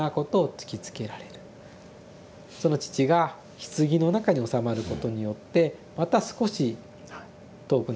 その父がひつぎの中に納まることによってまた少し遠くなっていく。